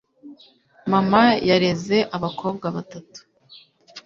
mama yareze abakobwa batatu